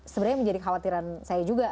sebenarnya menjadi kekhawatiran saya juga